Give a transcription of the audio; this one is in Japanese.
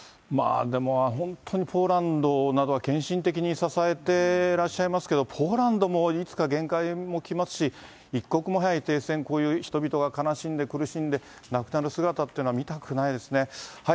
でも本当にポーランドなどは献身的に支えていらっしゃいますけれども、ポーランドもいつか限界もきますし、一刻も早い停戦、こういう人々が悲しんで苦しんで、亡くなる姿っていうのは見たくないですね。